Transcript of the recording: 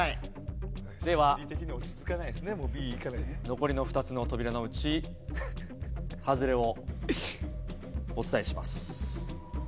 では、残りの２つの扉のうち外れをお伝えします。